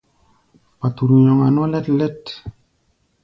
Paturu nyɔŋa nɔ́ lɛ́t-lɛ́t.